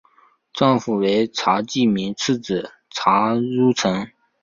丈夫为查济民次子查懋成。